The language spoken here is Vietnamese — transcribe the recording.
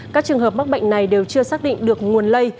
các trường hợp mắc bệnh này đều chưa xác định được nguồn lây